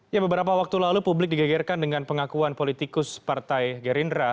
ya beberapa waktu lalu publik digegerkan dengan pengakuan politikus partai gerindra